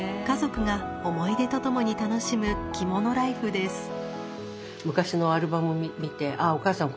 家族が思い出と共に楽しむ着物ライフです。